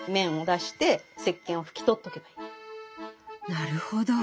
なるほど。